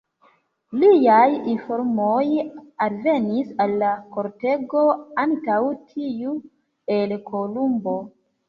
Liaj informoj alvenis al la kortego antaŭ tiuj el Kolumbo.